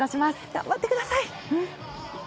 頑張ってください！